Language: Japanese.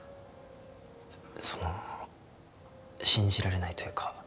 その信じられないというか